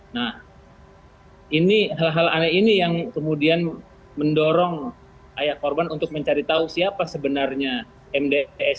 nah ini hal hal aneh ini yang kemudian mendorong ayah korban untuk mencari tahu siapa sebenarnya mds